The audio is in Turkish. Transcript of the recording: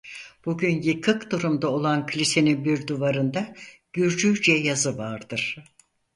Bugün yıkık durumda olan kilisenin bir duvarında Gürcüce yazı vardır.